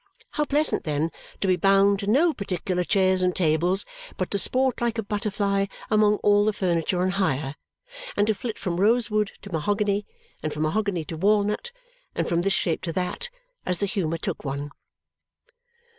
How pleasant, then, to be bound to no particular chairs and tables, but to sport like a butterfly among all the furniture on hire, and to flit from rosewood to mahogany, and from mahogany to walnut, and from this shape to that, as the humour took one!